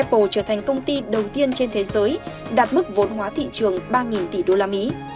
apple trở thành công ty đầu tiên trên thế giới đạt mức vốn hóa thị trường ba tỷ usd